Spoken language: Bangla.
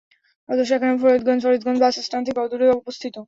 আদর্শ Academy Faridganj, Faridganj bus stand থেকে অদূরে অবস্থিত।